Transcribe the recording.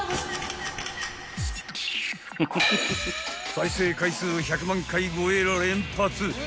［再生回数１００万回超えを連発］